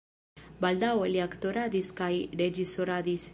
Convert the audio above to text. Baldaŭe li aktoradis kaj reĝisoradis.